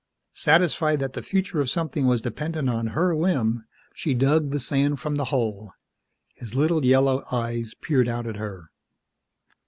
Satisfied that the future of something was dependent on her whim, she dug the sand from the hole. His little yellow eyes peered out at her.